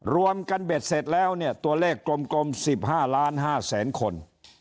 รวมกันเบ็ดเสร็จแล้วเนี่ยตัวเลขกลม๑๕ล้าน๕แสนคน